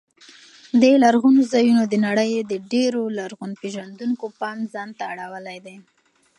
دې لرغونو ځایونو د نړۍ د ډېرو لرغون پېژندونکو پام ځان ته اړولی دی.